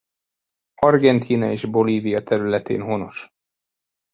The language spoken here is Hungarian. Argentína és Bolívia területén honos.